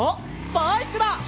バイクだ！